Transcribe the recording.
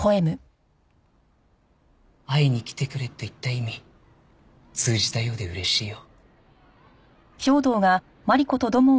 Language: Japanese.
「会いに来てくれ」と言った意味通じたようで嬉しいよ。